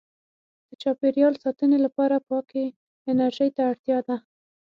• د چاپېریال ساتنې لپاره پاکې انرژۍ ته اړتیا ده.